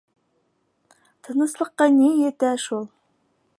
Тыныслыҡҡа ни етә шул.